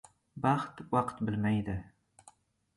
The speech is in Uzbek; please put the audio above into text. • Baxt vaqt bilmaydi.